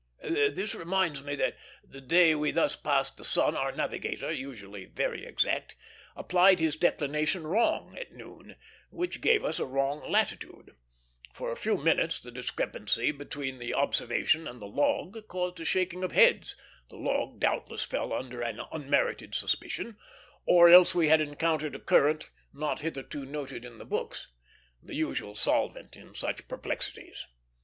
This reminds me that, the day we thus passed the sun, our navigator, usually very exact, applied his declination wrong at noon, which gave us a wrong latitude. For a few minutes the discrepancy between the observation and the log caused a shaking of heads; the log doubtless fell under an unmerited suspicion, or else we had encountered a current not hitherto noted in the books, the usual solvent in such perplexities.